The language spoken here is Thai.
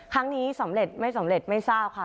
ครั้งนี้สำเร็จไม่สำเร็จไม่ทราบค่ะ